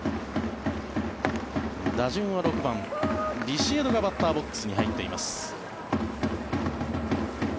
打順は６番、ビシエドがバッターボックスに入っています。